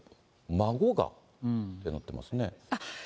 孫がってなっていますね。